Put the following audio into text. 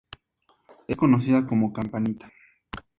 Es conocida como "Campanita.